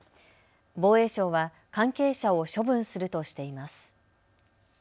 防衛省は関係者を処分するとしています。